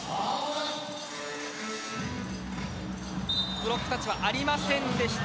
ブロックタッチはありませんでした。